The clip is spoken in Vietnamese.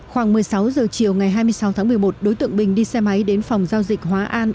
khoảng một mươi sáu giờ chiều ngày hai mươi sáu tháng một mươi một đối tượng bình đi xe máy đến phòng giao dịch hóa an